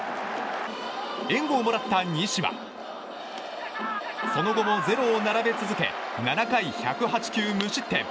援護をもらった西はその後もゼロを並べ続け７回１０８球、無失点。